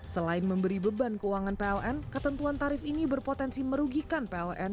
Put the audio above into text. selain memberi beban keuangan pln ketentuan tarif ini berpotensi merugikan pln